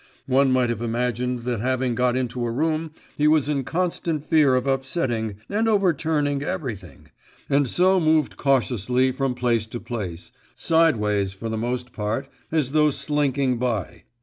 One might have imagined that having got into a room, he was in constant fear of upsetting and overturning everything, and so moved cautiously from place to place, sideways for the most part, as though slinking by.